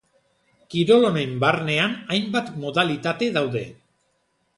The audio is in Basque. Kirol honen barnean hainbat modalitate daude.